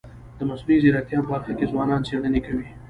د مصنوعي ځیرکتیا په برخه کي ځوانان څېړني کوي.